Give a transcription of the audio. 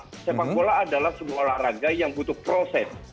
sepak bola adalah sebuah olahraga yang butuh proses